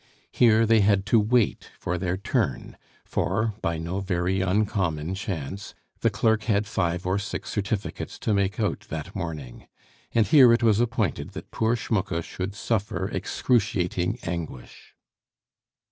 Here they had to wait for their turn, for, by no very uncommon chance, the clerk had five or six certificates to make out that morning; and here it was appointed that poor Schmucke should suffer excruciating anguish.